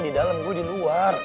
di dalam gue di luar